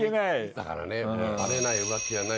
だからね。